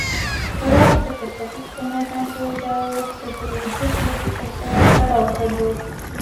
راز د تصوف په ميدان کې د وحدتالوجود له فکر سره تړاو درلود